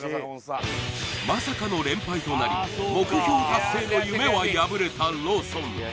まさかの連敗となり目標達成の夢は破れたローソン